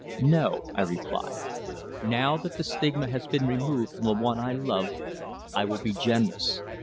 "No," I replied. "Now that the stigma has been removed from the one I love, I will be generous.